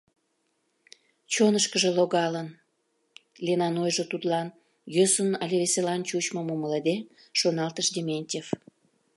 «Чонышкыжо логалын!» — Ленан ойжо тудлан йӧсын але веселан чучмым умылыде, шоналтыш Дементьев.